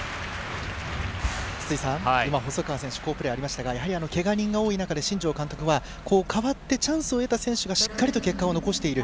今、細川選手好プレーありましたがけが人が多い中で新庄監督は代わってチャンスを得た選手がしっかりと結果を残している。